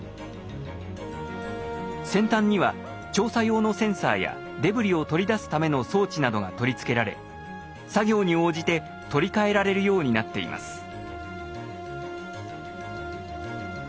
先端には調査用のセンサーやデブリを取り出すための装置などが取り付けられ作業に応じて取り替えられるようになっています。